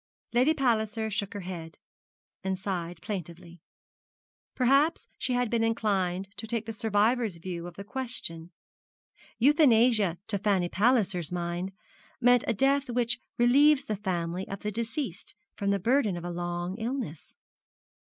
Lady Palliser shook her head, and sighed plaintively. Perhaps she had been inclined to take the survivor's view of the question. Euthanasia to Fanny Palliser's mind meant a death which relieves the family of the deceased from the burden of a long illness.